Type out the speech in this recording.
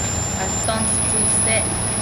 Aton chuchu isec